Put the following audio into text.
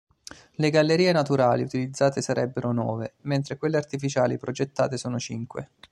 Le gallerie naturali utilizzate sarebbero nove, mentre quelle artificiali progettate sono cinque.